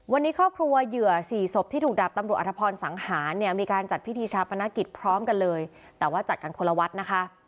วันนี้ครอบครัวเหยื่อสี่ศพที่ถูกดับตำรวจอธพรสังหารเนี่ยมีการจัดพิธีชาปนกิจพร้อมกันเลยแต่ว่าจัดกันคนละวัดนะคะ